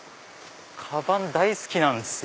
カバン大好きなんですよ。